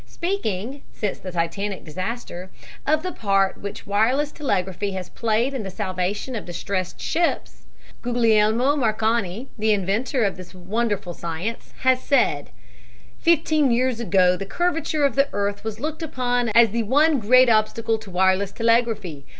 Speaking (since the Titanic disaster) of the part which wireless telegraphy has played in the salvation of distressed ships, Guglielmo Marconi, the inventor of this wonderful science, has said: "Fifteen years ago the curvature of the earth was looked upon as the one great obstacle to wireless telegraphy.